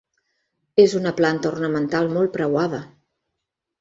És una planta ornamental molt preuada.